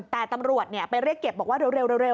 แต่ตำรวจไปเรียกเก็บบอกว่าเร็ว